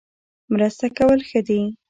مرسته کول ښه دي